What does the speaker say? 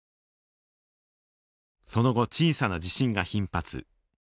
その後小さな地震が頻発。